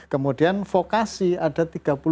kemudian vokasi ada tiga puluh delapan